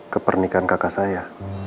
ke pernikahan kakak saya